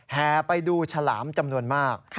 แห่ไปดูฉลามจำนวนมาก